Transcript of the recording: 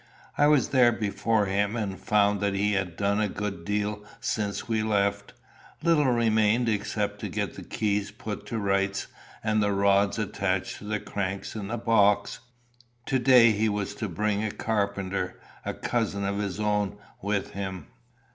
I was there before him, and found that he had done a good deal since we left. Little remained except to get the keys put to rights, and the rods attached to the cranks in the box. To day he was to bring a carpenter, a cousin of his own, with him.